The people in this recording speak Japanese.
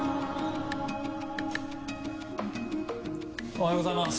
おはようございます。